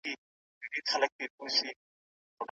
پخوانۍ اسطورې تر ډېره له لوږې او مړینې څخه پیدا شوې دي.